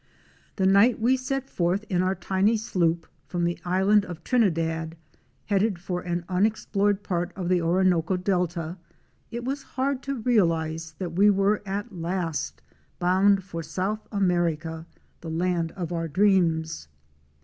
The night we set forth in our tiny sloop from the Island of Trinidad, headed for an unexplored part of the Orinoco delta, it was hard to realize that we were at last bound for South America, the land of our dreams.